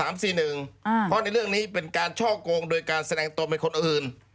เพราะในเรื่องนี้เป็นการช่อกงโดยการแสดงตนเป็นคนอื่น